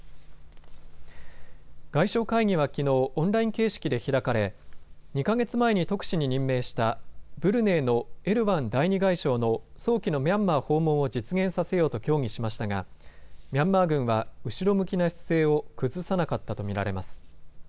外相会議はきのうオンライン形式で開かれ２か月前に特使に任命したブルネイのエルワン第２外相の早期のミャンマー訪問を実現させようと協議しましたがミャンマー軍は後ろ向きな姿勢を崩さなかったと見られます。